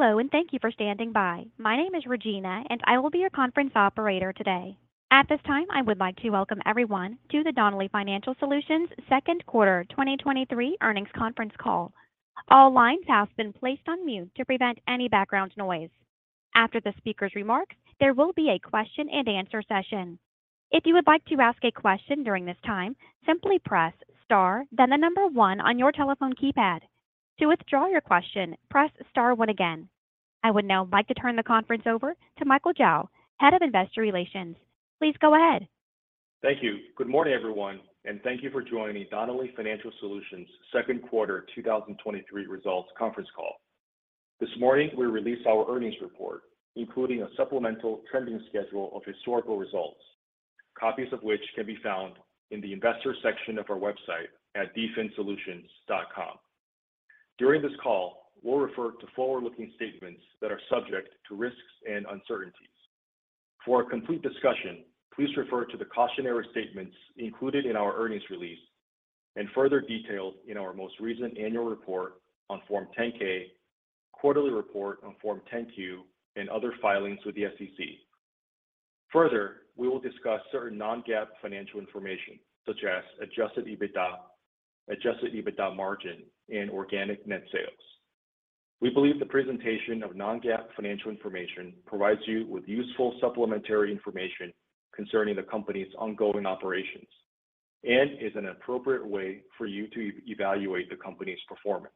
Hello. Thank you for standing by. My name is Regina. I will be your conference operator today. At this time, I would like to welcome everyone to the Donnelley Financial Solutions second quarter 2023 earnings conference call. All lines have been placed on mute to prevent any background noise. After the speaker's remarks, there will be a question-and-answer session. If you would like to ask a question during this time, simply press star, then one on your telephone keypad. To withdraw your question, press star one again. I would now like to turn the conference over to Michael Zhao, Head of Investor Relations. Please go ahead. Thank you. Good morning, everyone, and thank you for joining Donnelley Financial Solutions second quarter 2023 results conference call. This morning, we released our earnings report, including a supplemental trending schedule of historical results, copies of which can be found in the Investors section of our website at dfinsolutions.com. During this call, we'll refer to forward-looking statements that are subject to risks and uncertainties. For a complete discussion, please refer to the cautionary statements included in our earnings release and further detailed in our most recent annual report on Form 10-K, quarterly report on Form 10-Q, and other filings with the SEC. Further, we will discuss certain non-GAAP financial information, such as adjusted EBITDA, adjusted EBITDA margin, and organic net sales. We believe the presentation of non-GAAP financial information provides you with useful supplementary information concerning the company's ongoing operations and is an appropriate way for you to evaluate the company's performance.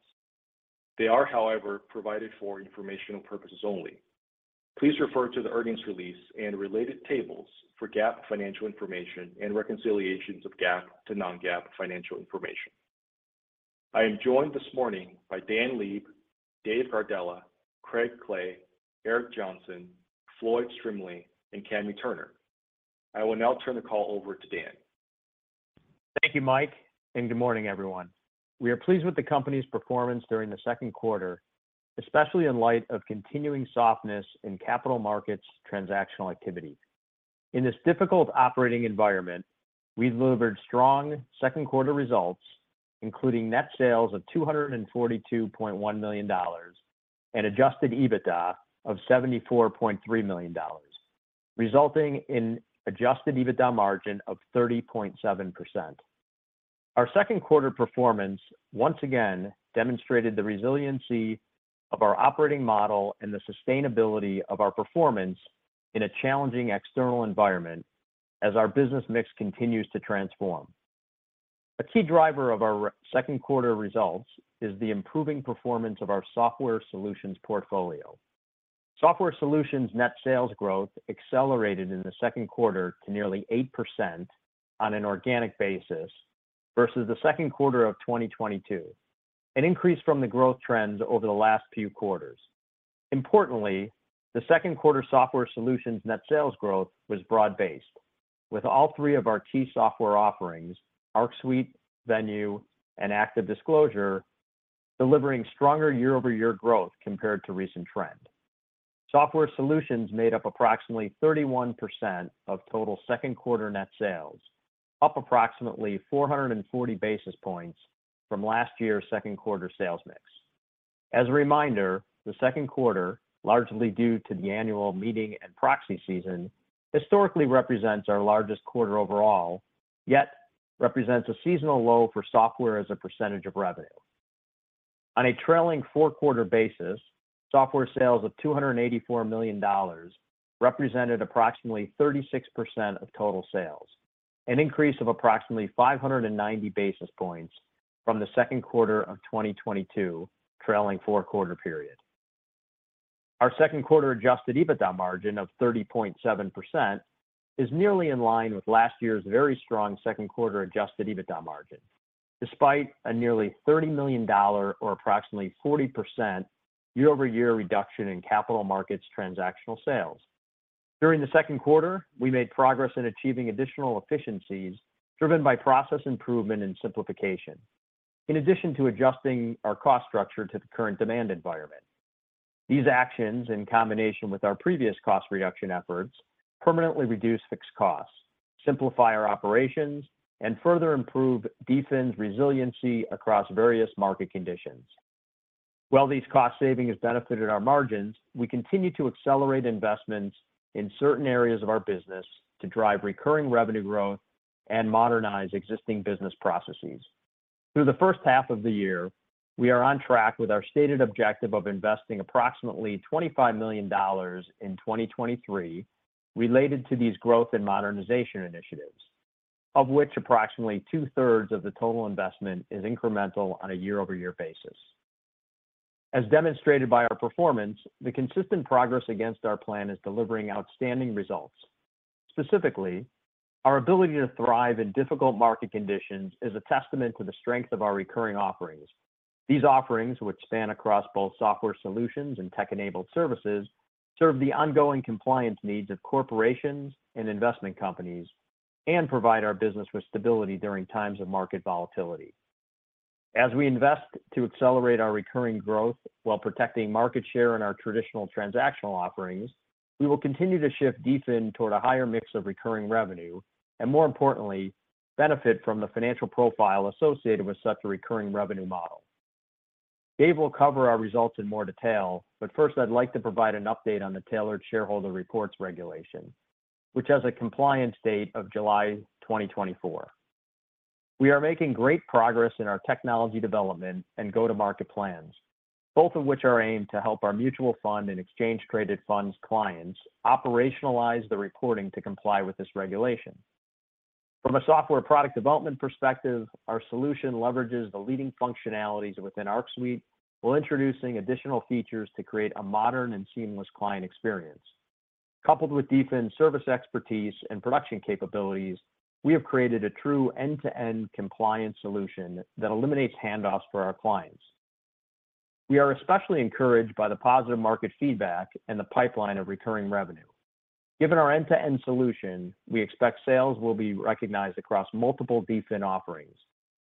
They are, however, provided for informational purposes only. Please refer to the earnings release and related tables for GAAP financial information and reconciliations of GAAP to non-GAAP financial information. I am joined this morning by Dan Leib, Dave Gardella, Craig Clay, Eric Johnson, Floyd Strimling, and Kami Turner. I will now turn the call over to Dan. Thank you, Mike, and good morning, everyone. We are pleased with the company's performance during the second quarter, especially in light of continuing softness in capital markets transactional activity. In this difficult operating environment, we delivered strong second quarter results, including net sales of $242.1 million and adjusted EBITDA of $74.3 million, resulting in adjusted EBITDA margin of 30.7%. Our second quarter performance once again demonstrated the resiliency of our operating model and the sustainability of our performance in a challenging external environment as our business mix continues to transform. A key driver of our second quarter results is the improving performance of our software solutions portfolio. Software solutions net sales growth accelerated in the second quarter to nearly 8% on an organic basis versus the second quarter of 2022, an increase from the growth trends over the last few quarters. Importantly, the second quarter software solutions net sales growth was broad-based, with all three of our key software offerings, ArcSuite, Venue, and ActiveDisclosure, delivering stronger year-over-year growth compared to recent trend. Software solutions made up approximately 31% of total second quarter net sales, up approximately 440 basis points from last year's second quarter sales mix. As a reminder, the second quarter, largely due to the annual meeting and proxy season, historically represents our largest quarter overall, yet represents a seasonal low for software as a percentage of revenue. On a trailing four-quarter basis, software sales of $284 million represented approximately 36% of total sales, an increase of approximately 590 basis points from the second quarter of 2022 trailing four-quarter period. Our second quarter Adjusted EBITDA margin of 30.7% is nearly in line with last year's very strong second quarter Adjusted EBITDA margin, despite a nearly $30 million or approximately 40% year-over-year reduction in capital markets transactional sales. During the second quarter, we made progress in achieving additional efficiencies, driven by process improvement and simplification. In addition to adjusting our cost structure to the current demand environment, these actions, in combination with our previous cost reduction efforts, permanently reduce fixed costs, simplify our operations, and further improve DFIN's resiliency across various market conditions. While these cost savings have benefited our margins, we continue to accelerate investments in certain areas of our business to drive recurring revenue growth and modernize existing business processes. Through the first half of the year, we are on track with our stated objective of investing approximately $25 million in 2023 related to these growth and modernization initiatives, of which approximately two-thirds of the total investment is incremental on a year-over-year basis. As demonstrated by our performance, the consistent progress against our plan is delivering outstanding results. Specifically, our ability to thrive in difficult market conditions is a testament to the strength of our recurring offerings. These offerings, which span across both software solutions and tech-enabled services, serve the ongoing compliance needs of corporations and investment companies and provide our business with stability during times of market volatility. As we invest to accelerate our recurring growth while protecting market share in our traditional transactional offerings, we will continue to shift DFIN toward a higher mix of recurring revenue, and more importantly benefit from the financial profile associated with such a recurring revenue model. Dave will cover our results in more detail. First, I'd like to provide an update on the Tailored Shareholder Reports regulation, which has a compliance date of July 2024. We are making great progress in our technology development and go-to-market plans, both of which are aimed to help our mutual fund and exchange-traded funds clients operationalize the reporting to comply with this regulation. From a software product development perspective, our solution leverages the leading functionalities within ArcSuite, while introducing additional features to create a modern and seamless client experience. Coupled with DFIN's service expertise and production capabilities, we have created a true end-to-end compliance solution that eliminates handoffs for our clients. We are especially encouraged by the positive market feedback and the pipeline of recurring revenue. Given our end-to-end solution, we expect sales will be recognized across multiple DFIN offerings,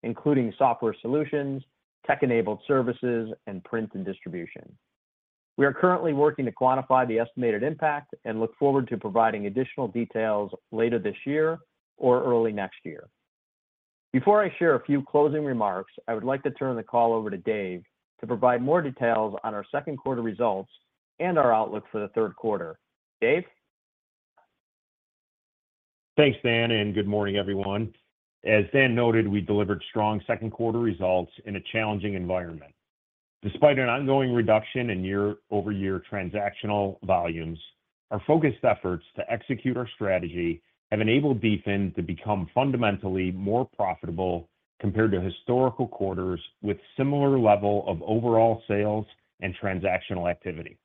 including software solutions, tech-enabled services, and print and distribution. We are currently working to quantify the estimated impact and look forward to providing additional details later this year or early next year. Before I share a few closing remarks, I would like to turn the call over to Dave to provide more details on our second quarter results and our outlook for the third quarter. Dave? Thanks, Dan, and good morning, everyone. As Dan noted, we delivered strong second quarter results in a challenging environment. Despite an ongoing reduction in year-over-year transactional volumes, our focused efforts to execute our strategy have enabled DFIN to become fundamentally more profitable compared to historical quarters with similar level of overall sales and transactional activity.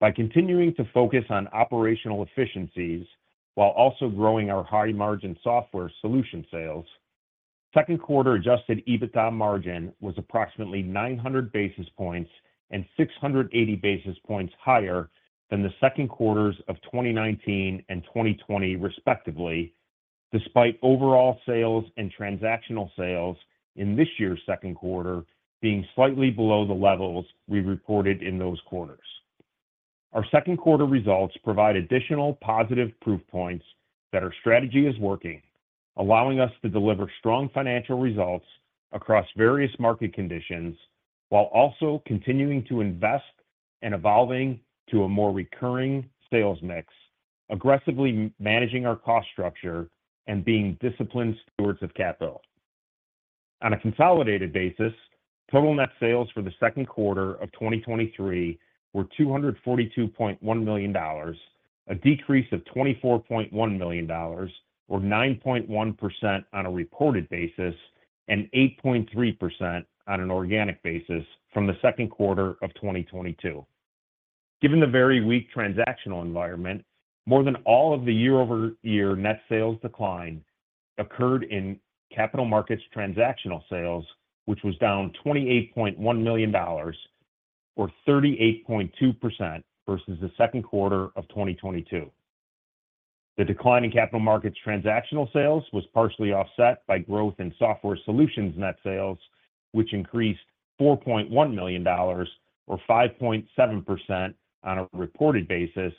By continuing to focus on operational efficiencies while also growing our high-margin software solution sales, second quarter Adjusted EBITDA margin was approximately 900 basis points and 680 basis points higher than the second quarters of 2019 and 2020, respectively, despite overall sales and transactional sales in this year's second quarter being slightly below the levels we reported in those quarters. Our second quarter results provide additional positive proof points that our strategy is working, allowing us to deliver strong financial results across various market conditions, while also continuing to invest and evolving to a more recurring sales mix, aggressively managing our cost structure and being disciplined stewards of capital. On a consolidated basis, total net sales for the second quarter of 2023 were $242.1 million, a decrease of $24.1 million, or 9.1% on a reported basis, and 8.3% on an organic basis from the second quarter of 2022. Given the very weak transactional environment, more than all of the year-over-year net sales decline occurred in capital markets transactional sales, which was down $28.1 million or 38.2% versus the second quarter of 2022. The decline in Capital Markets transactional sales was partially offset by growth in software solutions net sales, which increased $4.1 million or 5.7% on a reported basis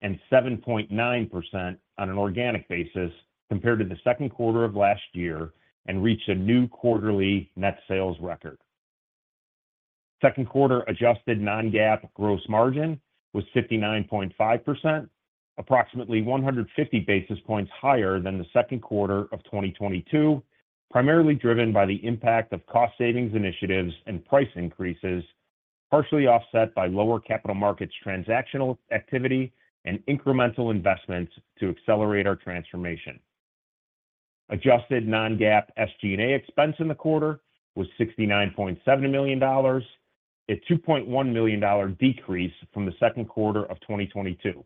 and 7.9% on an organic basis compared to the second quarter of last year and reached a new quarterly net sales record. Second quarter adjusted non-GAAP gross margin was 59.5%, approximately 150 basis points higher than the second quarter of 2022, primarily driven by the impact of cost savings initiatives and price increases, partially offset by lower Capital Markets, transactional activity, and incremental investments to accelerate our transformation. Adjusted non-GAAP SG&A expense in the quarter was $69.7 million, a $2.1 million decrease from the second quarter of 2022.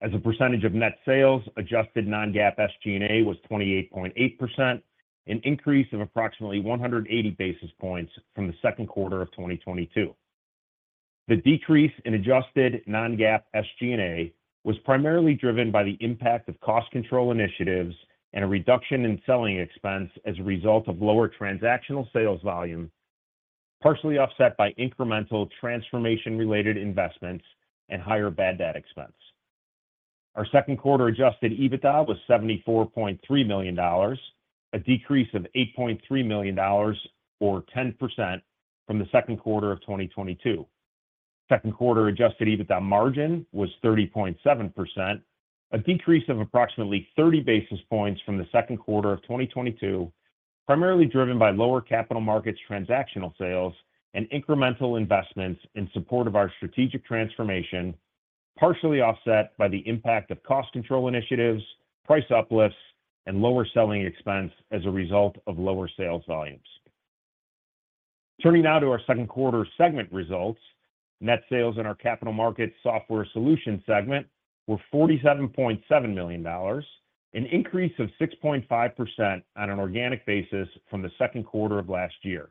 As a percentage of net sales, adjusted non-GAAP SG&A was 28.8%, an increase of approximately 180 basis points from the second quarter of 2022. The decrease in adjusted non-GAAP SG&A was primarily driven by the impact of cost control initiatives and a reduction in selling expense as a result of lower transactional sales volume, partially offset by incremental transformation-related investments and higher bad debt expense. Our second quarter Adjusted EBITDA was $74.3 million, a decrease of $8.3 million, or 10% from the second quarter of 2022. Second quarter Adjusted EBITDA margin was 30.7%, a decrease of approximately 30 basis points from the second quarter of 2022, primarily driven by lower capital markets transactional sales and incremental investments in support of our strategic transformation, partially offset by the impact of cost control initiatives, price uplifts, and lower selling expense as a result of lower sales volumes. Turning now to our second quarter segment results. Net sales in our Capital Markets Software Solutions segment were $47.7 million, an increase of 6.5% on an organic basis from the second quarter of last year.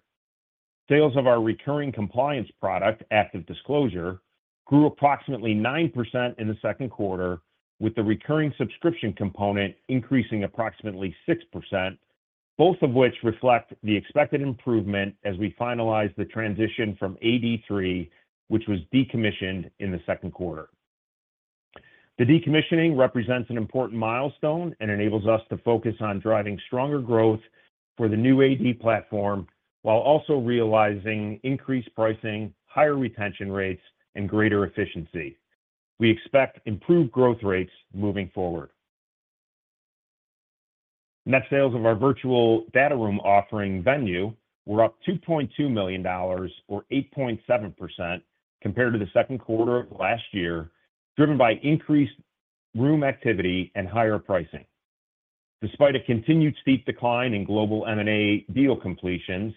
Sales of our recurring compliance product, ActiveDisclosure, grew approximately 9% in the second quarter, with the recurring subscription component increasing approximately 6%-... both of which reflect the expected improvement as we finalize the transition from AD3, which was decommissioned in the second quarter. The decommissioning represents an important milestone and enables us to focus on driving stronger growth for the new AD platform, while also realizing increased pricing, higher retention rates, and greater efficiency. We expect improved growth rates moving forward. Net sales of our virtual data room offering Venue were up $2.2 million or 8.7% compared to the second quarter of last year, driven by increased room activity and higher pricing. Despite a continued steep decline in global M&A deal completions,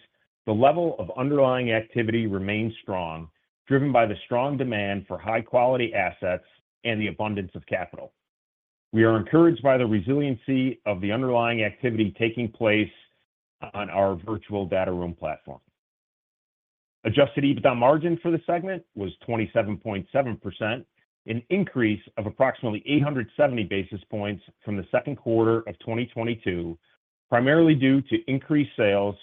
the level of underlying activity remains strong, driven by the strong demand for high-quality assets and the abundance of capital. We are encouraged by the resiliency of the underlying activity taking place on our virtual data room platform. Adjusted EBITDA margin for the segment was 27.7%, an increase of approximately 870 basis points from the second quarter of 2022, primarily due to increased sales,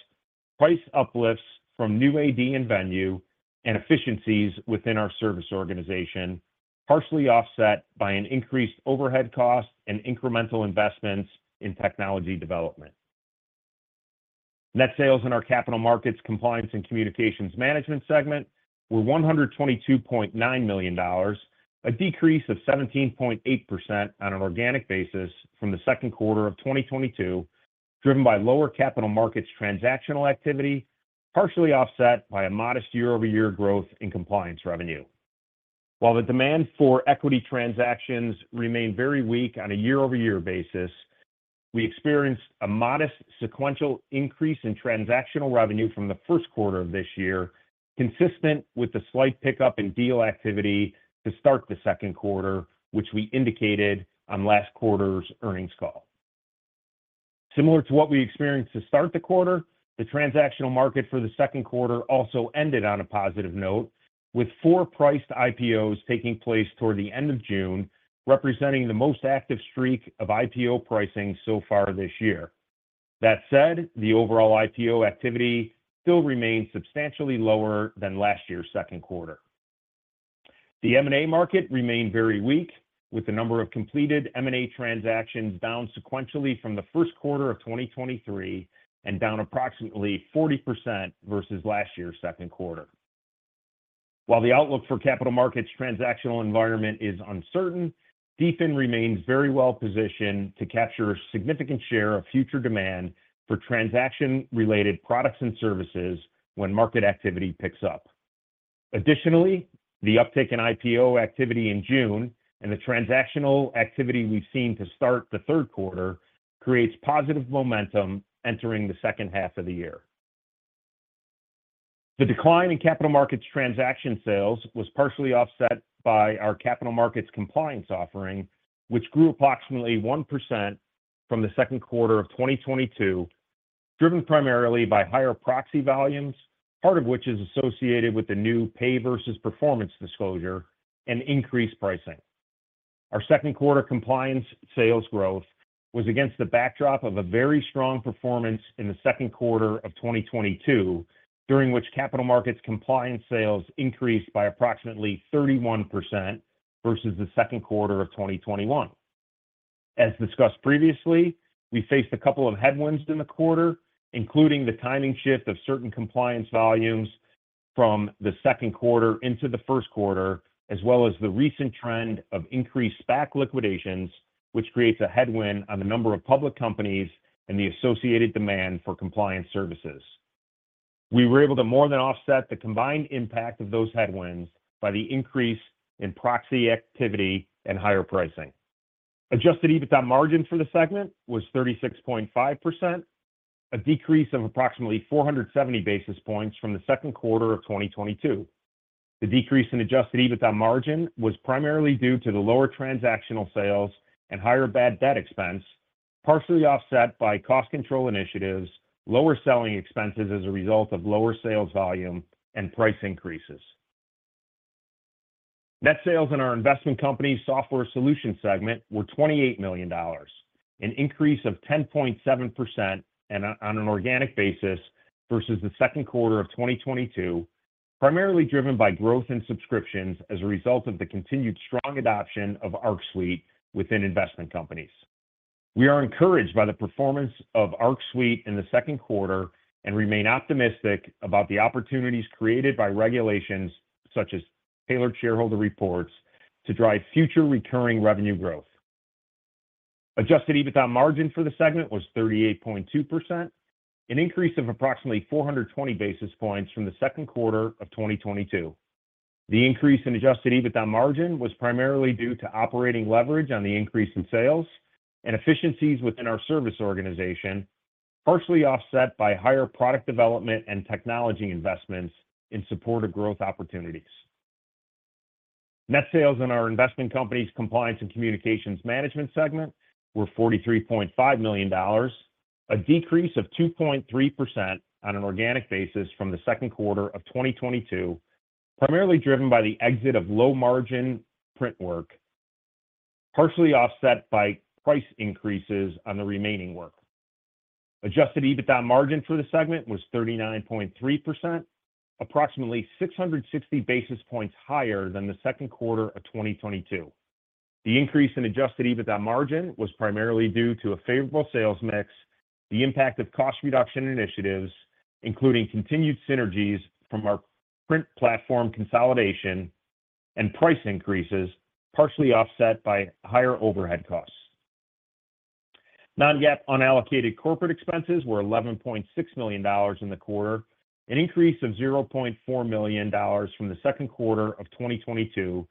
price uplifts from new AD and Venue, and efficiencies within our service organization, partially offset by an increased overhead cost and incremental investments in technology development. Net sales in our Capital Markets – Compliance and Communications Management segment were $122.9 million, a decrease of 17.8% on an organic basis from the second quarter of 2022, driven by lower capital markets transactional activity, partially offset by a modest year-over-year growth in compliance revenue. While the demand for equity transactions remained very weak on a year-over-year basis, we experienced a modest sequential increase in transactional revenue from the 1st quarter of this year, consistent with the slight pickup in deal activity to start the 2nd quarter, which we indicated on last quarter's earnings call. Similar to what we experienced to start the quarter, the transactional market for the 2nd quarter also ended on a positive note, with four priced IPOs taking place toward the end of June, representing the most active streak of IPO pricing so far this year. That said, the overall IPO activity still remains substantially lower than last year's 2nd quarter. The M&A market remained very weak, with the number of completed M&A transactions down sequentially from the 1st quarter of 2023 and down approximately 40% versus last year's 2nd quarter. While the outlook for capital markets transactional environment is uncertain, DFIN remains very well positioned to capture a significant share of future demand for transaction-related products and services when market activity picks up. Additionally, the uptick in IPO activity in June and the transactional activity we've seen to start the third quarter creates positive momentum entering the second half of the year. The decline in capital markets transaction sales was partially offset by our capital markets compliance offering, which grew approximately 1% from the second quarter of 2022, driven primarily by higher proxy volumes, part of which is associated with the new pay versus performance disclosure and increased pricing. Our second quarter compliance sales growth was against the backdrop of a very strong performance in the second quarter of 2022, during which Capital Markets compliance sales increased by approximately 31% versus the second quarter of 2021. As discussed previously, we faced a couple of headwinds in the quarter, including the timing shift of certain compliance volumes from the second quarter into the first quarter, as well as the recent trend of increased SPAC liquidations, which creates a headwind on the number of public companies and the associated demand for compliance services. We were able to more than offset the combined impact of those headwinds by the increase in proxy activity and higher pricing. Adjusted EBITDA margin for the segment was 36.5%, a decrease of approximately 470 basis points from the second quarter of 2022. The decrease in Adjusted EBITDA margin was primarily due to the lower transactional sales and higher bad debt expense, partially offset by cost control initiatives, lower selling expenses as a result of lower sales volume and price increases. Net sales in our Investment Companies Software Solutions segment were $28 million, an increase of 10.7% on an organic basis versus the second quarter of 2022, primarily driven by growth in subscriptions as a result of the continued strong adoption of ArcSuite within investment companies. We are encouraged by the performance of ArcSuite in the second quarter and remain optimistic about the opportunities created by regulations such as Tailored Shareholder Reports to drive future recurring revenue growth. Adjusted EBITDA margin for the segment was 38.2%, an increase of approximately 420 basis points from the second quarter of 2022. The increase in Adjusted EBITDA margin was primarily due to operating leverage on the increase in sales and efficiencies within our service organization, partially offset by higher product development and technology investments in support of growth opportunities. Net sales in our Investment Companies – Compliance and Communications Management segment were $43.5 million, a decrease of 2.3% on an organic basis from the second quarter of 2022, primarily driven by the exit of low-margin print work, partially offset by price increases on the remaining work. Adjusted EBITDA margin for the segment was 39.3%, approximately 660 basis points higher than the second quarter of 2022. The increase in Adjusted EBITDA margin was primarily due to a favorable sales mix, the impact of cost reduction initiatives, including continued synergies from our print platform consolidation and price increases, partially offset by higher overhead costs. non-GAAP unallocated corporate expenses were $11.6 million in the quarter, an increase of $0.4 million from the second quarter of 2022,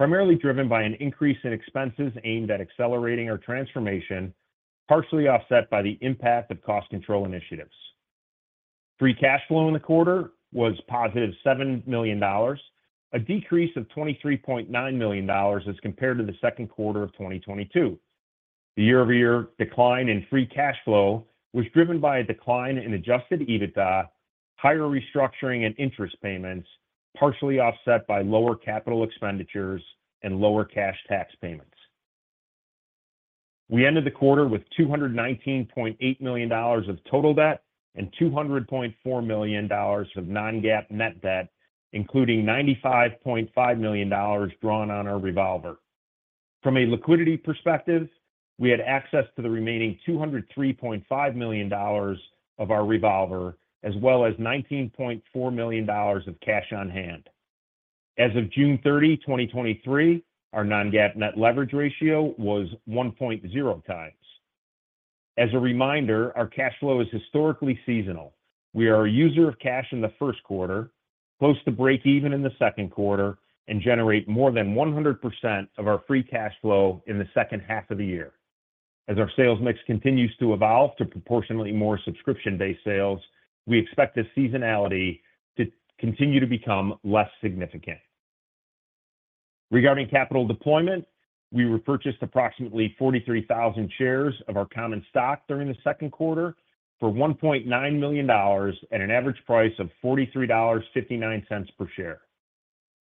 primarily driven by an increase in expenses aimed at accelerating our transformation, partially offset by the impact of cost control initiatives. Free cash flow in the quarter was +$7 million, a decrease of $23.9 million as compared to the second quarter of 2022. The year-over-year decline in free cash flow was driven by a decline in Adjusted EBITDA, higher restructuring and interest payments, partially offset by lower capital expenditures and lower cash tax payments. We ended the quarter with $219.8 million of total debt and $200.4 million of non-GAAP net debt, including $95.5 million drawn on our revolver. From a liquidity perspective, we had access to the remaining $203.5 million of our revolver, as well as $19.4 million of cash on hand. As of June 30, 2023, our non-GAAP net leverage ratio was 1.0 times. As a reminder, our cash flow is historically seasonal. We are a user of cash in the first quarter, close to breakeven in the second quarter, and generate more than 100% of our free cash flow in the second half of the year. As our sales mix continues to evolve to proportionately more subscription-based sales, we expect this seasonality to continue to become less significant. Regarding capital deployment, we repurchased approximately 43,000 shares of our common stock during the second quarter for $1.9 million at an average price of $43.59 per share.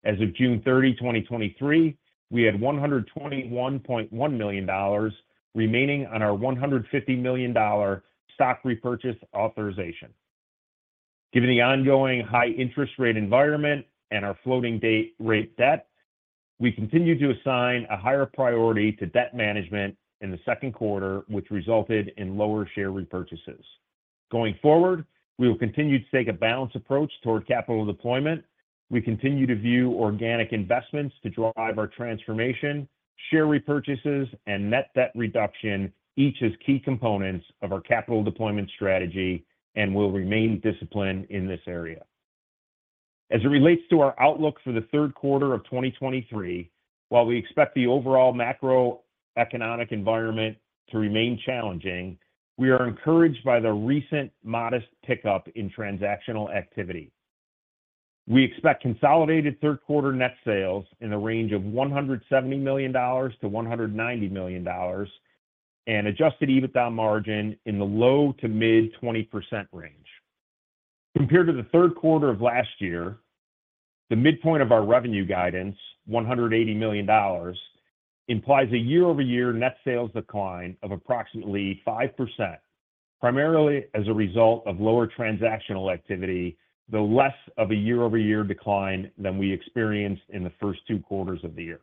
As of June 30, 2023, we had $121.1 million remaining on our $150 million stock repurchase authorization. Given the ongoing high interest rate environment and our floating-rate debt, we continue to assign a higher priority to debt management in the second quarter, which resulted in lower share repurchases. Going forward, we will continue to take a balanced approach toward capital deployment. We continue to view organic investments to drive our transformation, share repurchases, and net debt reduction, each as key components of our capital deployment strategy and will remain disciplined in this area. As it relates to our outlook for the third quarter of 2023, while we expect the overall macroeconomic environment to remain challenging, we are encouraged by the recent modest pickup in transactional activity. We expect consolidated third quarter net sales in the range of $170 million to $190 million and Adjusted EBITDA margin in the low to mid-20% range. Compared to the third quarter of last year, the midpoint of our revenue guidance, $180 million, implies a year-over-year net sales decline of approximately 5%, primarily as a result of lower transactional activity, though less of a year-over-year decline than we experienced in the first two quarters of the year.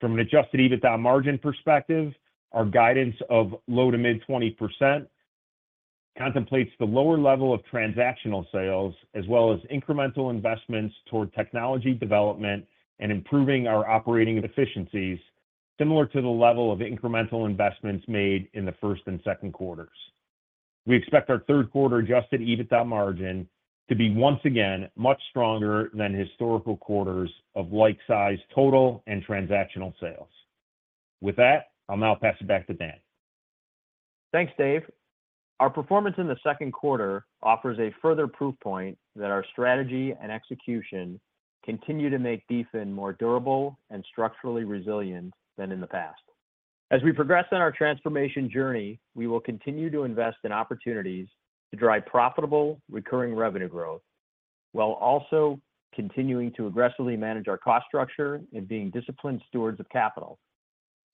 From an Adjusted EBITDA margin perspective, our guidance of low to mid-20% contemplates the lower level of transactional sales, as well as incremental investments toward technology development and improving our operating efficiencies, similar to the level of incremental investments made in the first and second quarters. We expect our third quarter Adjusted EBITDA margin to be once again much stronger than historical quarters of like-size, total, and transactional sales. With that, I'll now pass it back to Dan. Thanks, Dave. Our performance in the second quarter offers a further proof point that our strategy and execution continue to make DFIN more durable and structurally resilient than in the past. As we progress on our transformation journey, we will continue to invest in opportunities to drive profitable, recurring revenue growth, while also continuing to aggressively manage our cost structure and being disciplined stewards of capital.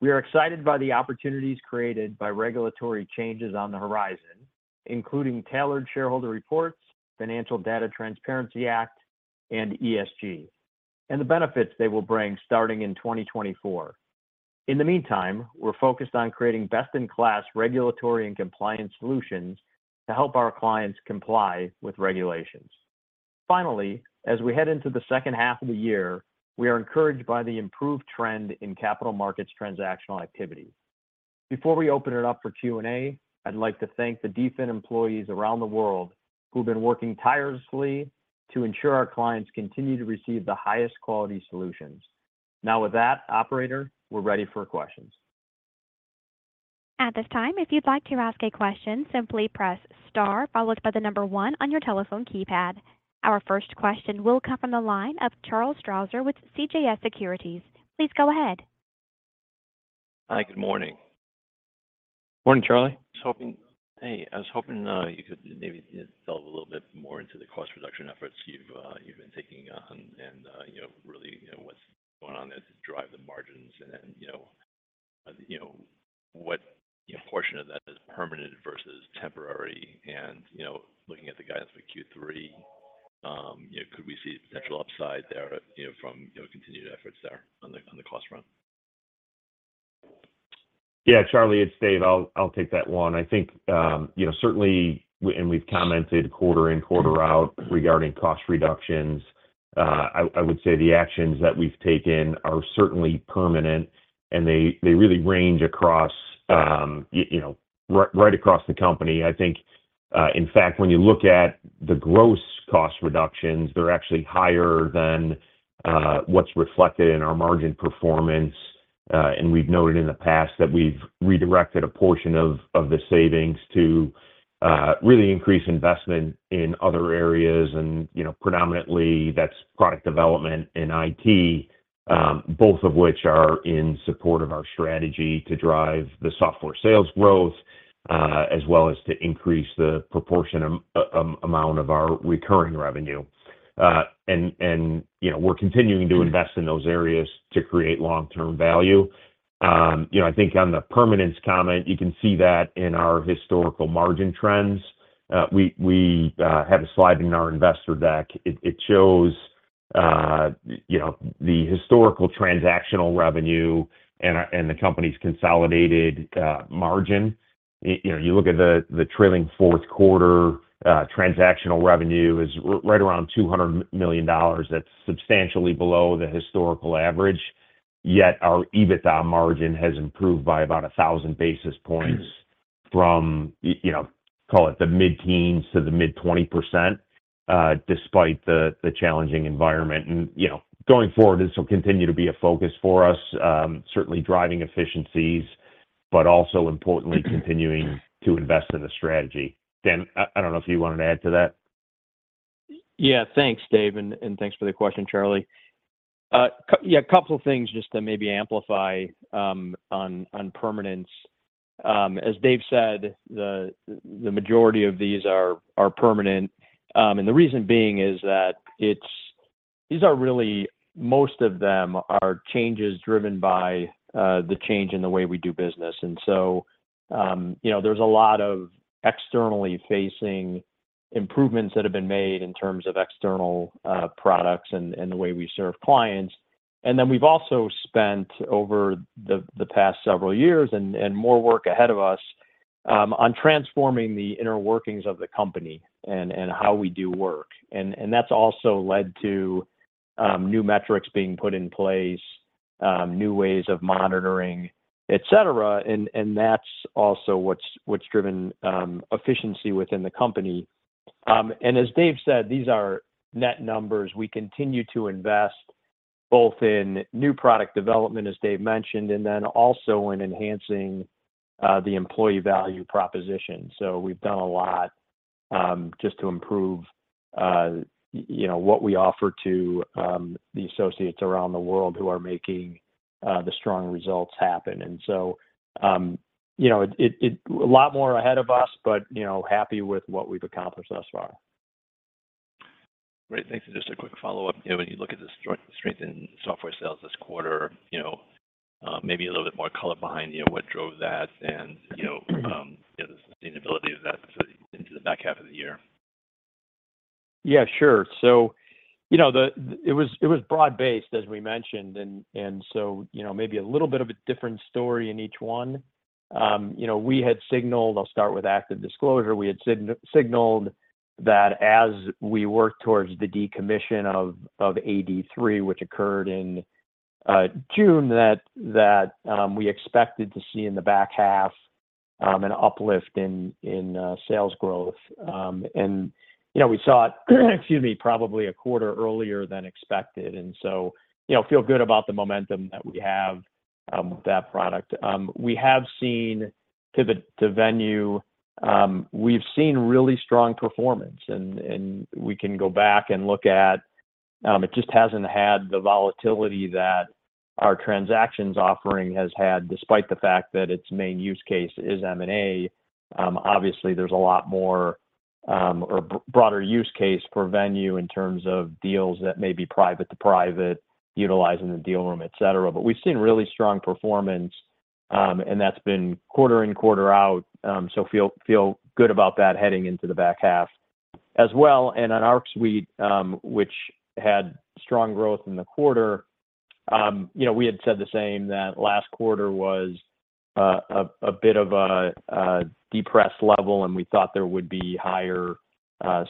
We are excited by the opportunities created by regulatory changes on the horizon, including Tailored Shareholder Reports, Financial Data Transparency Act, and ESG, and the benefits they will bring starting in 2024. In the meantime, we're focused on creating best-in-class regulatory and compliance solutions to help our clients comply with regulations. Finally, as we head into the second half of the year, we are encouraged by the improved trend in capital markets transactional activity. Before we open it up for Q&A, I'd like to thank the DFIN employees around the world who've been working tirelessly to ensure our clients continue to receive the highest quality solutions. Now, with that, operator, we're ready for questions. At this time, if you'd like to ask a question, simply press star followed by one on your telephone keypad. Our first question will come from the line of Charles Strauzer with CJS Securities. Please go ahead. Hi, good morning. Morning, Charlie. I was hoping, hey, I was hoping, you could maybe delve a little bit more into the cost reduction efforts you've, you've been taking on. Really, you know, what's going on there to drive the margins and, you know, what, you know, portion of that is permanent versus temporary? Looking at the guidance for Q3, you know, could we see potential upside there, you know, from, you know, continued efforts there on the, on the cost front? Yeah, Charlie, it's Dave. I'll, I'll take that one. I think, you know, certainly, and we've commented quarter in, quarter out regarding cost reductions. I, I would say the actions that we've taken are certainly permanent, and they, they really range across, you know, right, right across the company. I think, in fact, when you look at the gross cost reductions, they're actually higher than, what's reflected in our margin performance. We've noted in the past that we've redirected a portion of, of the savings to, really increase investment in other areas. You know, predominantly, that's product development and IT, both of which are in support of our strategy to drive the software sales growth, as well as to increase the proportion amount of our recurring revenue. You know, we're continuing to invest in those areas to create long-term value. You know, I think on the permanence comment, you can see that in our historical margin trends. We, we have a slide in our investor deck. It, it shows, you know, the historical transactional revenue and, and the company's consolidated margin. You know, you look at the, the trailing fourth quarter, transactional revenue is right around $200 million. That's substantially below the historical average, yet our EBITDA margin has improved by about 1,000 basis points from you know, call it the mid-teens to the mid-20%, despite the, the challenging environment. You know, going forward, this will continue to be a focus for us, certainly driving efficiencies, but also importantly, continuing to invest in the strategy. Dan, I, I don't know if you wanted to add to that? Yeah. Thanks, Dave, and, and thanks for the question, Charlie. Yeah, a couple of things just to maybe amplify on permanence. As Dave said, the majority of these are permanent. The reason being is that these are really, most of them are changes driven by the change in the way we do business. You know, there's a lot of externally facing improvements that have been made in terms of external products and the way we serve clients. We've also spent over the past several years, and more work ahead of us, on transforming the inner workings of the company and how we do work. That's also led to new metrics being put in place, new ways of monitoring, et cetera. That's also what's driven efficiency within the company. As Dave said, these are net numbers. We continue to invest both in new product development, as Dave mentioned, and then also in enhancing the employee value proposition. We've done a lot just to improve, you know, what we offer to the associates around the world who are making the strong results happen. You know, a lot more ahead of us, but, you know, happy with what we've accomplished thus far. Great, thanks. Just a quick follow-up. You know, when you look at the strength, strength in software sales this quarter, you know, maybe a little bit more color behind, you know, what drove that and, you know, the sustainability of that into the back half of the year? Yeah, sure. You know, it was, it was broad-based, as we mentioned, and so, you know, maybe a little bit of a different story in each one. You know, we had signaled... I'll start with ActiveDisclosure. We had signaled that as we work towards the decommission of, of AD3, which occurred in June, that we expected to see in the back half an uplift in sales growth. You know, we saw it, excuse me, probably a quarter earlier than expected, you know, feel good about the momentum that we have with that product. We have seen pivot to Venue, we've seen really strong performance, and, and we can go back and look at, it just hasn't had the volatility that our transactions offering has had, despite the fact that its main use case is M&A. Obviously, there's a lot more, or broader use case for Venue in terms of deals that may be private to private, utilizing the deal room, et cetera. We've seen really strong performance, and that's been quarter in, quarter out. Feel, feel good about that heading into the back half as well. On ArcSuite, which had strong growth in the quarter, you know, we had said the same, that last quarter was a bit of a depressed level, and we thought there would be higher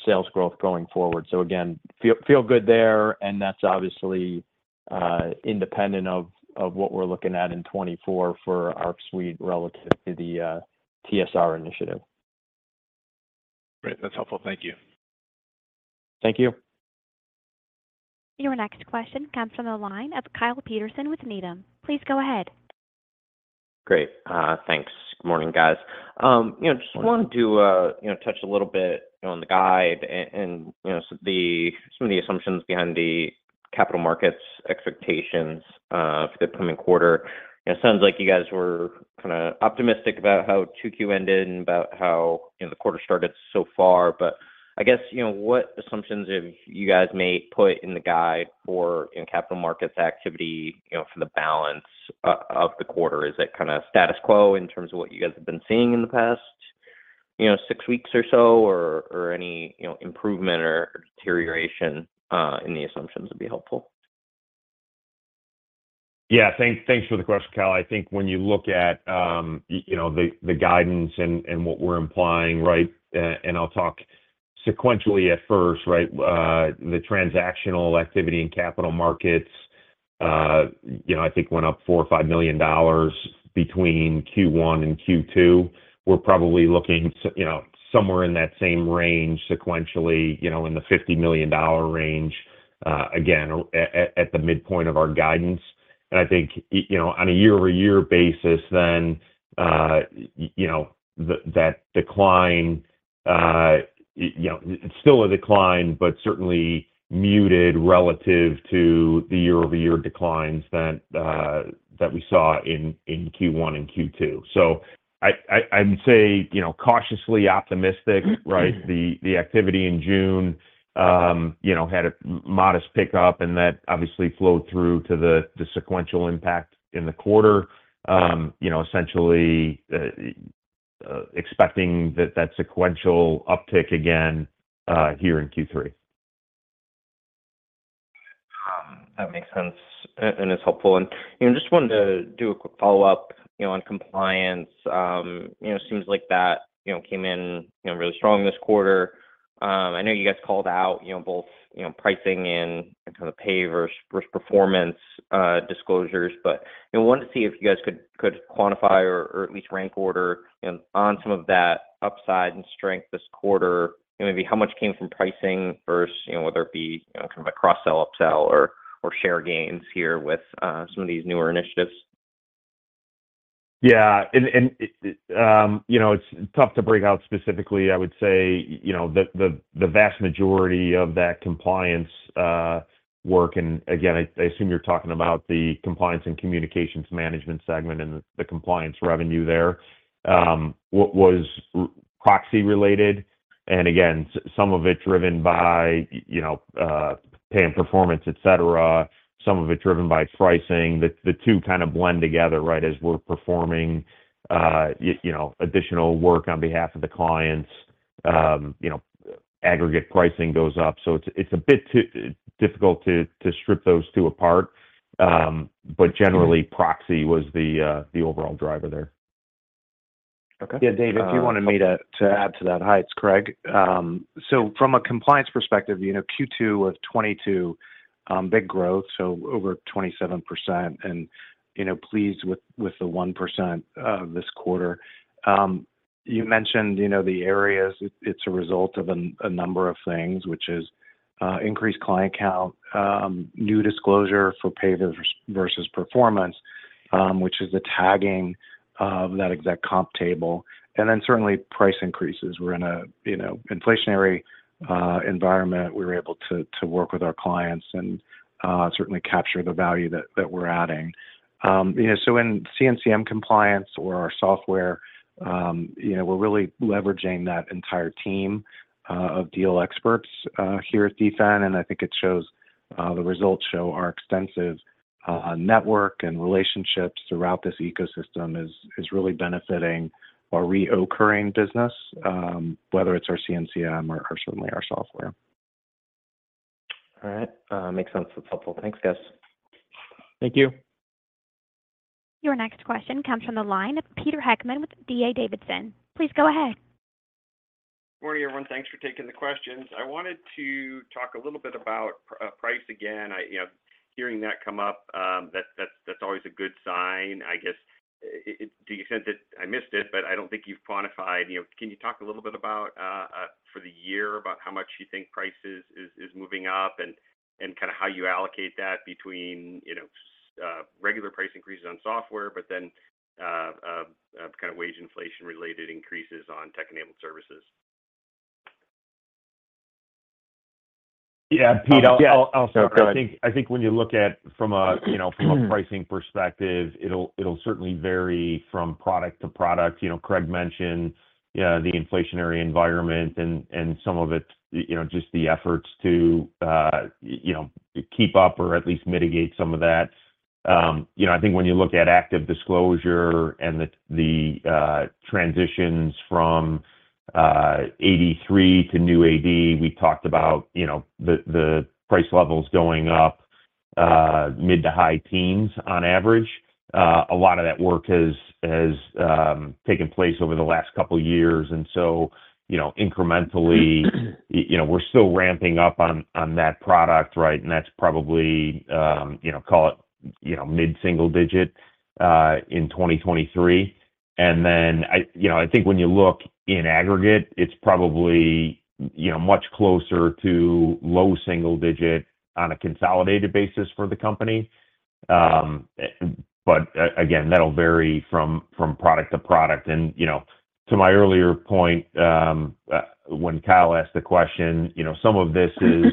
sales growth going forward. Again, feel, feel good there, and that's obviously independent of what we're looking at in 2024 for ArcSuite relative to the TSR initiative. Great. That's helpful. Thank you. Thank you. Your next question comes from the line of Kyle Peterson with Needham. Please go ahead. Great. Thanks. Good morning, guys. You know, just wanted to, you know, touch a little bit on the guide and, you know, some of the assumptions behind the... Capital Markets expectations for the coming quarter. It sounds like you guys were kind of optimistic about how 2Q ended and about how, you know, the quarter started so far. I guess, you know, what assumptions have you guys made, put in the guide for in Capital Markets activity, you know, for the balance of the quarter? Is it kind of status quo in terms of what you guys have been seeing in the past, you know, six weeks or so, or any, you know, improvement or deterioration in the assumptions would be helpful. Yeah, thanks, thanks for the question, Kyle. I think when you look at, you know, the guidance and what we're implying, right? I'll talk sequentially at first, right? The transactional activity in capital markets, you know, I think went up $4 million-$5 million between Q1 and Q2. We're probably looking, you know, somewhere in that same range sequentially, you know, in the $50 million range, again, at, at, at the midpoint of our guidance. I think, you know, on a year-over-year basis, then, you know, that decline, you know, it's still a decline, but certainly muted relative to the year-over-year declines that we saw in Q1 and Q2. I, I, I'd say, you know, cautiously optimistic, right? The, the activity in June, you know, had a modest pickup, and that obviously flowed through to the, the sequential impact in the quarter. You know, essentially, expecting that, that sequential uptick again, here in Q3. That makes sense and it's helpful. You know, just wanted to do a quick follow-up, you know, on compliance. You know, seems like that, you know, came in, you know, really strong this quarter. I know you guys called out, you know, both, you know, pricing and kind of pay versus performance disclosures. You know, wanted to see if you guys could quantify or at least rank order, you know, on some of that upside and strength this quarter. Maybe how much came from pricing versus, you know, whether it be, you know, kind of a cross-sell, upsell or share gains here with some of these newer initiatives. Yeah. You know, it's tough to break out specifically. I would say, you know, the, the, the vast majority of that compliance work, and again, I, I assume you're talking about the Compliance and Communications Management segment and the, the compliance revenue there. What was proxy related, and again, some of it driven by, you know, pay versus performance, et cetera. Some of it driven by pricing. The, the two kind of blend together, right? As we're performing, you know, additional work on behalf of the clients, you know, aggregate pricing goes up. It's a bit too difficult to, to strip those two apart. But generally, proxy was the overall driver there. Okay. Yeah, Dave, if you wanted me to, to add to that. Hi, it's Craig. From a compliance perspective, you know, Q2 of 2022, big growth, so over 27% and, you know, pleased with, with the 1% of this quarter. You mentioned, you know, the areas, it's a result of a number of things, which is increased client count, new disclosure for pay versus performance, which is the tagging of that exec comp table, and then certainly price increases. We're in a, you know, inflationary environment. We were able to, to work with our clients and certainly capture the value that, that we're adding. You know, so in CNCM compliance or our software, you know, we're really leveraging that entire team of deal experts here at DFIN. I think it shows, the results show our extensive, network and relationships throughout this ecosystem is, is really benefiting our reoccurring business, whether it's our CNCM or certainly our software. All right, makes sense. That's helpful. Thanks, guys. Thank you. Your next question comes from the line of Peter Heckmann with D.A. Davidson. Please go ahead. Morning, everyone. Thanks for taking the questions. I wanted to talk a little bit about price again. I, you know, hearing that come up, that, that's, that's always a good sign. I guess, to the extent that I missed it, but I don't think you've quantified, you know, can you talk a little bit about for the year, about how much you think prices is, is moving up and, and kind of how you allocate that between, you know, regular price increases on software, but then, kind of wage inflation-related increases on tech-enabled services? Yeah, Pete, I'll, I'll, I'll start. Sure, go ahead. I think, I think when you look at from a, you know, from a pricing perspective, it'll, it'll certainly vary from product to product. You know, Craig mentioned, the inflationary environment and some of it, you know, just the efforts to, you know, keep up or at least mitigate some of that. You know, I think when you look at ActiveDisclosure and the transitions from AD3 to new ActiveDisclosure, we talked about, you know, the price levels going up mid to high teens on average. A lot of that work has taken place over the last couple of years, and so, you know, incrementally, you know, we're still ramping up on that product, right? That's probably, you know, call it, you know, mid-single digit in 2023. You know, I think when you look in aggregate, it's probably, you know, much closer to low single digit on a consolidated basis for the company. Again, that'll vary from product to product. You know, to my earlier point, when Kyle asked the question, you know, some of this is,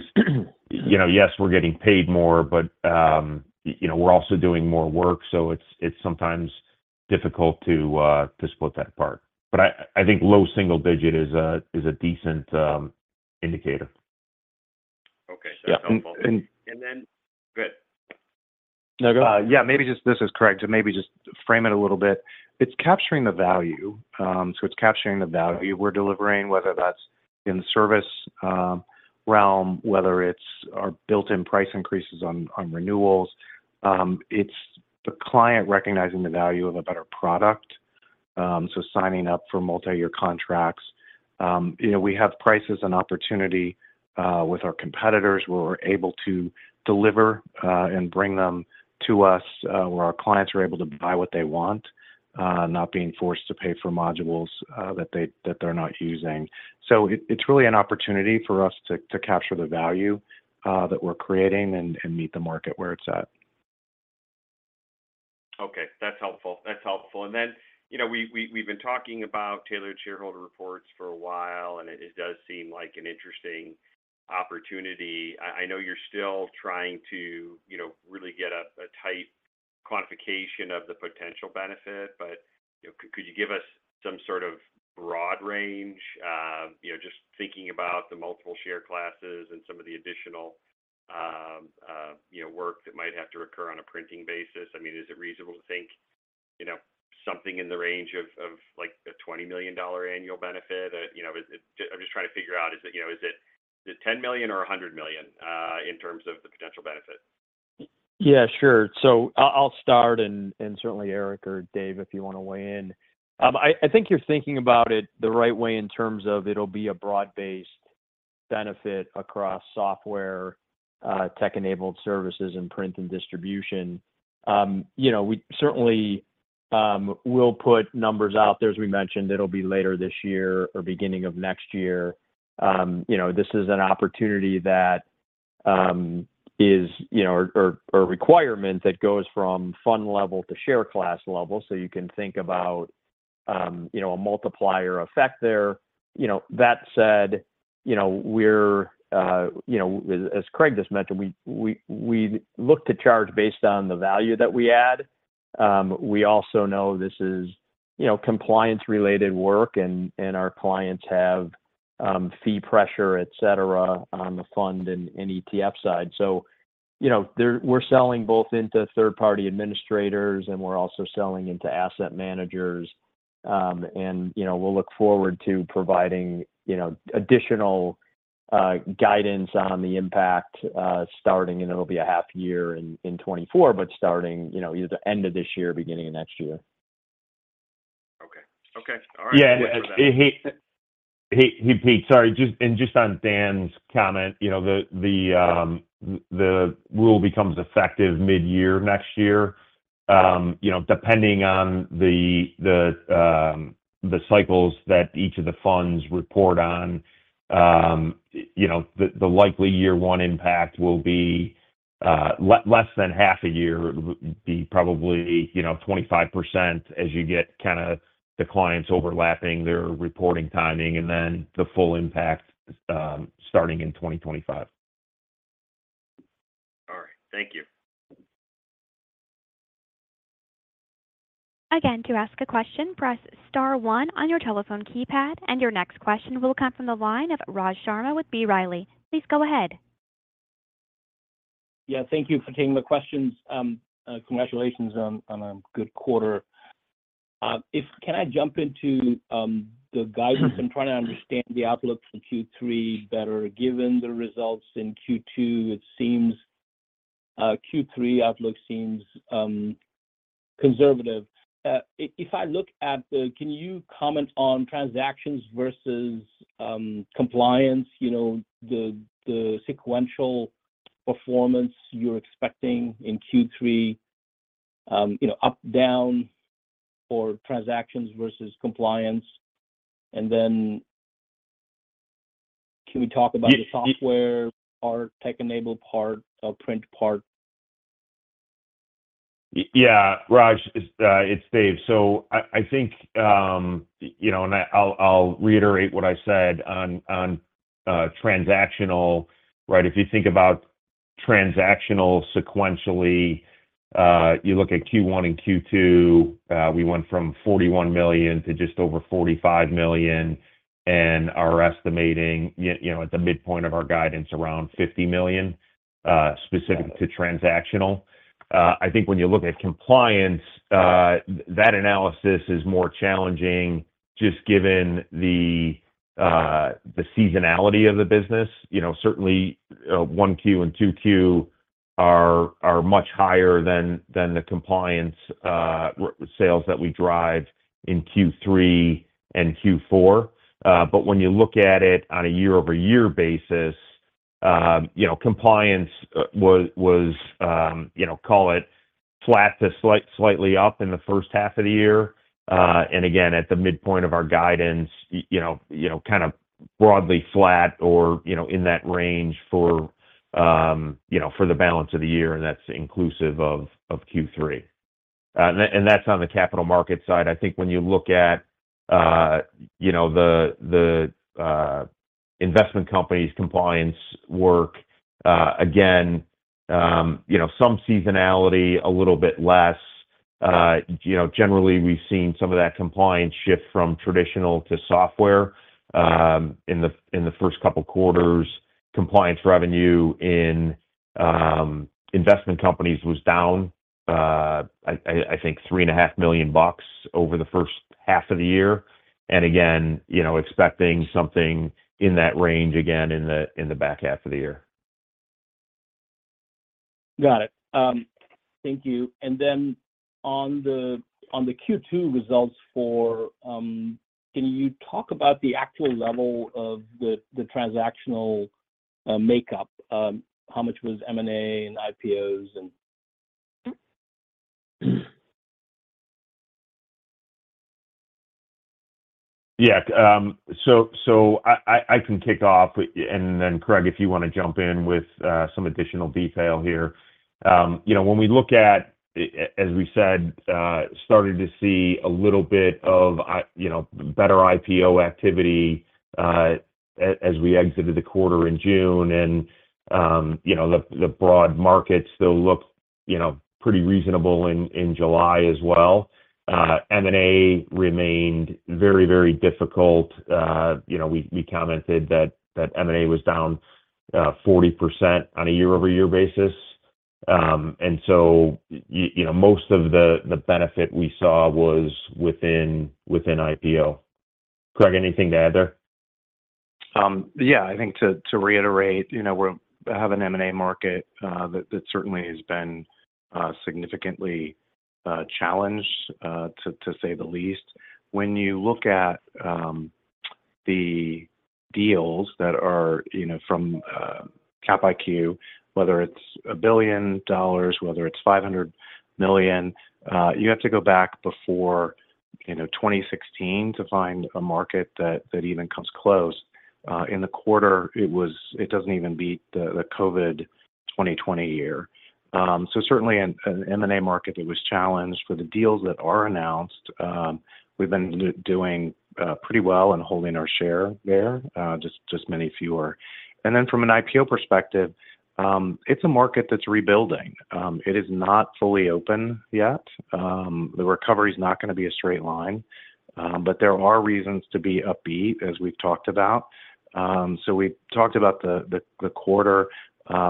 you know, yes, we're getting paid more, but, you know, we're also doing more work, so it's, it's sometimes difficult to split that apart. I think low single digit is a decent indicator. Okay. Yeah. That's helpful. And then. Good. No, go ahead. Yeah, maybe just this is correct, to maybe just frame it a little bit. It's capturing the value. So it's capturing the value we're delivering, whether that's in service realm, whether it's our built-in price increases on renewals. It's the client recognizing the value of a better product, so signing up for multi-year contracts. You know, we have prices and opportunity with our competitors, where we're able to deliver and bring them to us, where our clients are able to buy what they want, not being forced to pay for modules that they're not using. So it's really an opportunity for us to capture the value that we're creating and meet the market where it's at. Okay, that's helpful. That's helpful. You know, we, we, we've been talking about Tailored Shareholder Reports for a while, and it, it does seem like an interesting opportunity. I, I know you're still trying to, you know, really get a, a tight quantification of the potential benefit, but, you know, could, could you give us some sort of broad range? You know, just thinking about the multiple share classes and some of the additional, you know, work that might have to occur on a printing basis. I mean, is it reasonable to think, you know, something in the range of, of, like, a $20 million annual benefit? You know, is it... I'm just trying to figure out, is it, you know, is it, is it $10 million or $100 million in terms of the potential benefit? Yeah, sure. I'll, I'll start, and, and certainly Eric or Dave, if you wanna weigh in. I, I think you're thinking about it the right way in terms of it'll be a broad-based benefit across software, tech-enabled services, and print and distribution. You know, we certainly will put numbers out there. As we mentioned, it'll be later this year or beginning of next year. You know, this is an opportunity that is, you know, or a requirement that goes from fund level to share class level, so you can think about, you know, a multiplier effect there. You know, that said, you know, we're, you know, as Craig just mentioned, we, we, we look to charge based on the value that we add. We also know this is, you know, compliance-related work, and our clients have fee pressure, et cetera, on the fund and ETF side. You know, we're selling both into third-party administrators, and we're also selling into asset managers. You know, we'll look forward to providing, you know, additional guidance on the impact starting, and it'll be a half year in 2024, but starting, you know, either end of this year, beginning of next year. Okay. Okay, all right. Yeah, Pete, sorry, just. Just on Dan's comment, you know, the rule becomes effective midyear next year. You know, depending on the cycles that each of the funds report on, you know, the likely year one impact will be less than half a year. Probably, you know, 25% as you get kinda the clients overlapping their reporting timing, and then the full impact starting in 2025. All right. Thank you. Again, to ask a question, press star one on your telephone keypad. Your next question will come from the line of Raj Sharma with B. Riley. Please go ahead. Yeah, thank you for taking the questions. Congratulations on a good quarter. Can I jump into the guidance? I'm trying to understand the outlook for Q3 better. Given the results in Q2, it seems Q3 outlook seems conservative. Can you comment on transactions versus compliance, you know, the sequential performance you're expecting in Q3, you know, up, down, or transactions versus compliance? Can we talk about- Y- the software part, tech-enabled part, or print part? Yeah, Raj, it's Dave. I, I think, you know, and I'll, I'll reiterate what I said on, on transactional, right? If you think about transactional sequentially, you look at Q1 and Q2, we went from $41 million to just over $45 million, and are estimating, you know, at the midpoint of our guidance, around $50 million, specific to transactional. I think when you look at compliance, that analysis is more challenging just given the seasonality of the business. You know, certainly, 1Q and 2Q are, are much higher than, than the compliance sales that we drive in Q3 and Q4. When you look at it on a year-over-year basis, you know, compliance was, was, you know, call it flat to slightly up in the first half of the year. Again, at the midpoint of our guidance, you know, you know, broadly flat or, you know, in that range for, you know, for the balance of the year, and that's inclusive of, of Q3. That, and that's on the capital market side. I think when you look at, you know, the, the, investment company's compliance work, again, you know, some seasonality a little bit less. You know, generally, we've seen some of that compliance shift from traditional to software, in the, in the first couple quarters. Compliance revenue in investment companies was down, I, I, I think $3.5 million over the first half of the year. Again, you know, expecting something in that range again in the, in the back half of the year. Got it. Thank you. On the, on the Q2 results for, can you talk about the actual level of the, the transactional makeup? How much was M&A and IPOs? Yeah, I can kick off, and then, Craig Clay, if you wanna jump in with some additional detail here. You know, when we look at, as we said, starting to see a little bit of you know, better IPO activity, as we exited the quarter in June and, you know, the broad market still looks, you know, pretty reasonable in July as well. M&A remained very, very difficult. You know, we commented that M&A was down 40% on a year-over-year basis. You know, most of the benefit we saw was within IPO. Craig, anything to add there? Yeah, I think to, to reiterate, you know, we have an M&A market that, that certainly has been significantly challenged, to, to say the least. When you look at the deals that are, you know, from CapIQ, whether it's $1 billion, whether it's $500 million, you have to go back before, you know, 2016 to find a market that, that even comes close. In the quarter, it doesn't even beat the, the COVID 2020 year. Certainly an M&A market that was challenged. For the deals that are announced, we've been doing pretty well and holding our share there, just many fewer. From an IPO perspective, it's a market that's rebuilding. It is not fully open yet. The recovery is not gonna be a straight line, but there are reasons to be upbeat, as we've talked about. We talked about the, the, the quarter.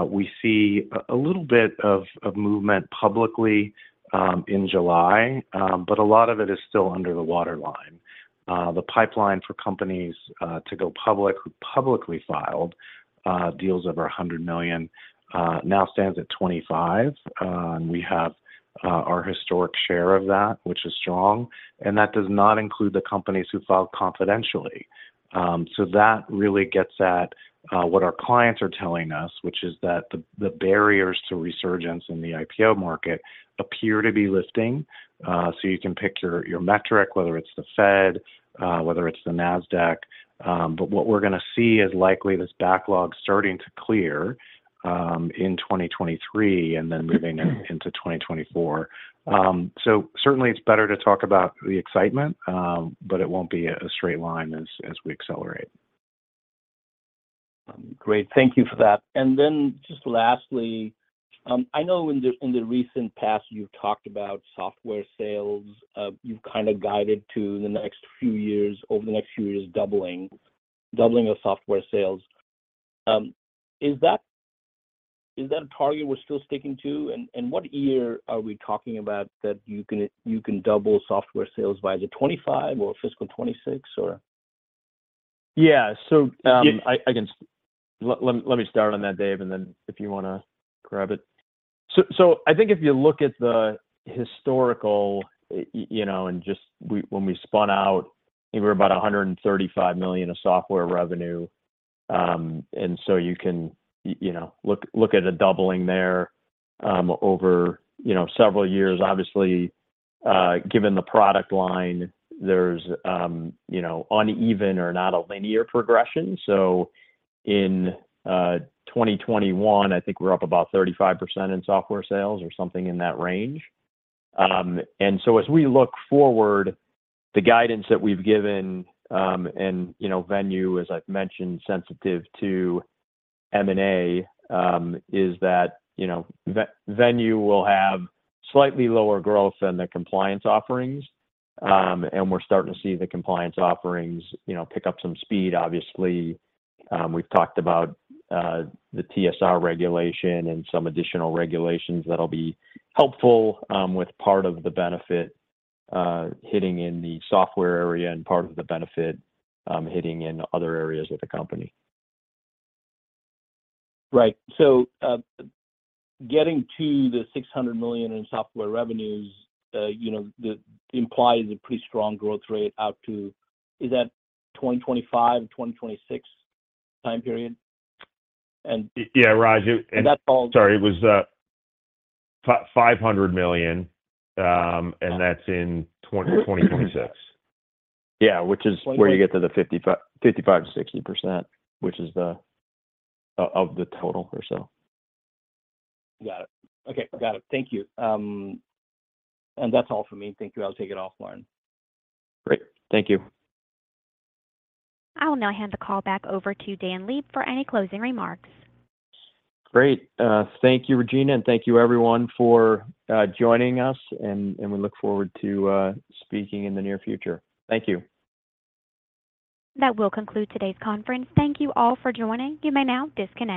We see a, a little bit of, of movement publicly, in July, but a lot of it is still under the waterline. The pipeline for companies, to go public, who publicly filed, deals over $100 million, now stands at 25. We have, our historic share of that, which is strong, and that does not include the companies who filed confidentially. That really gets at, what our clients are telling us, which is that the, the barriers to resurgence in the IPO market appear to be lifting. You can pick your, your metric, whether it's the Fed, whether it's the Nasdaq. What we're gonna see is likely this backlog starting to clear in 2023 and then moving into 2024. Certainly it's better to talk about the excitement, but it won't be a, a straight line as, as we accelerate. Great. Thank you for that. Then just lastly, I know in the, in the recent past, you've talked about software sales. You've kind of guided to the next few years-- over the next few years, doubling, doubling of software sales. Is that, is that a target we're still sticking to? What year are we talking about that you can, you can double software sales by the 2025 or fiscal 2026, or? Yeah. Let me start on that, Dave, and then if you wanna grab it. I think if you look at the historical, you know, and just when, when we spun out, we were about $135 million of software revenue. You can, you know, look, look at a doubling there, over, you know, several years. Obviously, given the product line, there's, you know, uneven or not a linear progression. In 2021, I think we're up about 35% in software sales or something in that range. As we look forward, the guidance that we've given, and, you know, Venue, as I've mentioned, sensitive to M&A, is that, you know, Venue will have slightly lower growth than the compliance offerings. We're starting to see the compliance offerings, you know, pick up some speed. Obviously, we've talked about the TSR regulation and some additional regulations that'll be helpful, with part of the benefit hitting in the software area and part of the benefit hitting in other areas of the company. Right. Getting to the $600 million in software revenues, you know, implies a pretty strong growth rate out to, is that 2025, 2026 time period? Yeah, Raj. That's all. Sorry, it was $500 million, and that's in 2026. Yeah, which is where you get to the 55%-60%, which is the, of the total or so. Got it. Okay, got it. Thank you. That's all for me. Thank you. I'll take it off line. Great. Thank you. I will now hand the call back over to Dan Leib for any closing remarks. Great. Thank you, Regina, and thank you everyone for joining us, and we look forward to speaking in the near future. Thank you. That will conclude today's conference. Thank you all for joining. You may now disconnect.